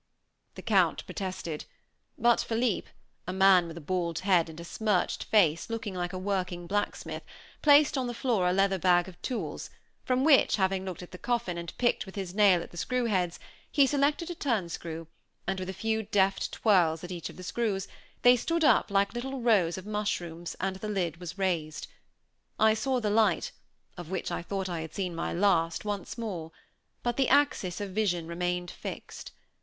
The Count protested; but Philippe a man with a bald head and a smirched face, looking like a working blacksmith placed on the floor a leather bag of tools, from which, having looked at the coffin, and picked with his nail at the screw heads, he selected a turnscrew and, with a few deft twirls at each of the screws, they stood up like little rows of mushrooms, and the lid was raised. I saw the light, of which I thought I had seen my last, once more; but the axis of vision remained fixed.